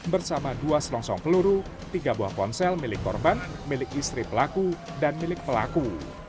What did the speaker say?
bersama dua selongsong peluru tiga buah ponsel milik korban milik istri pelaku dan milik pelaku